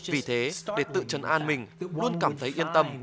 vì thế để tự chân an mình luôn cảm thấy yên tâm